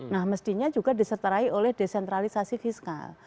nah mestinya juga diseterai oleh desentralisasi fiskal